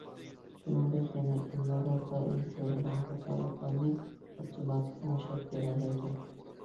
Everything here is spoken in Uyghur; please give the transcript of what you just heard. شۇنىڭدەك يەنە ئىملادا دائىم كۆرۈلىدىغان خاتالىقلارنى ئاپتوماتىك ئوڭشاپ بېرەلەيدۇ.